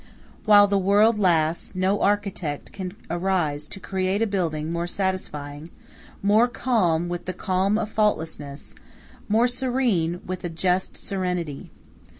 While the world lasts, no architect can arise to create a building more satisfying, more calm with the calm of faultlessness, more serene with a just serenity.